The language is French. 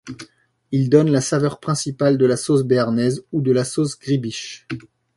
Il donne la saveur principale de la sauce béarnaise ou de la sauce gribiche.